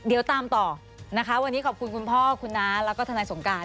เดี๋ยวตามต่อนะคะวันนี้ขอบคุณคุณพ่อคุณน้าแล้วก็ทนายสงการ